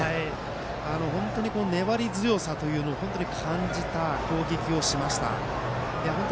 本当に、粘り強さというのを感じた攻撃をしました。